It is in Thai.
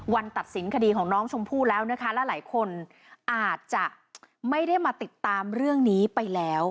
ตัดสินคดีของน้องชมพู่แล้วนะคะและหลายคนอาจจะไม่ได้มาติดตามเรื่องนี้ไปแล้ว